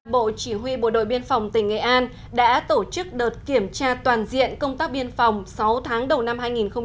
bộ chỉ huy bộ đội biên phòng tỉnh nghệ an đã tổ chức đợt kiểm tra toàn diện công tác biên phòng sáu tháng đầu năm hai nghìn một mươi chín